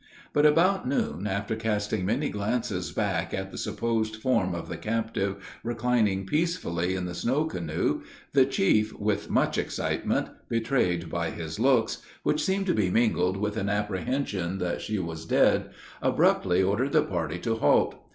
But, about noon, after casting many glances back at the supposed form of the captive reclining peacefully in the snow canoe, the chief, with much excitement, betrayed by his looks, which seemed to be mingled with an apprehension that she was dead, abruptly ordered the party to halt.